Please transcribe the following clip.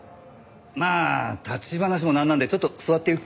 まあ立ち話もなんなんでちょっと座ってゆっくりね。